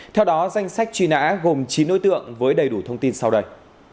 theo đó danh sách truy nã gồm chín nối tượng với đầy đủ thông tin sau đây